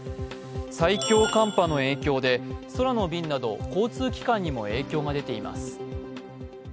最強寒波の影響で空の便など交通機関にも影響が出ています。